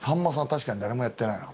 確かに誰もやってないな。